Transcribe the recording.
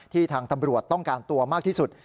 ที่ทางประโยชน์ต้องการตัวมากที่สุด